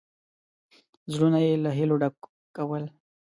زړونه یې له هیلو ډکول.